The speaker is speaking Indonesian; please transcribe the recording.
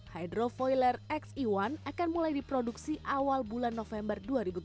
hydrofoiler xe satu akan mulai diproduksi awal bulan november dua ribu tujuh belas